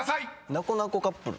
「なこなこカップル」